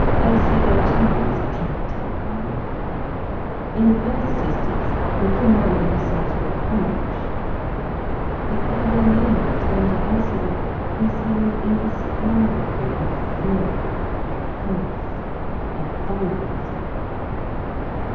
Ursula too was attracted by Loerke. In both sisters he commanded a certain homage. But there were moments when to Ursula he seemed indescribably inferior, false, a vulgarism.